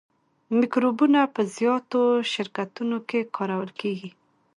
مکروبونه په زیاتو شرکتونو کې کارول کیږي.